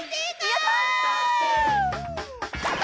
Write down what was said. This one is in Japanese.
やった！